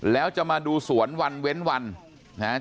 แล้วจะมาดูสวนวันเว้นวันนะครับ